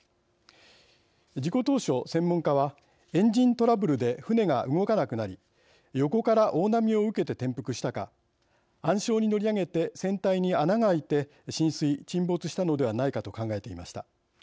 事故当初専門家はエンジントラブルで船が動かなくなり横から大波を受けて転覆したか暗礁に乗り上げて船体に穴が開いて浸水、沈没したのではないかと考えていました。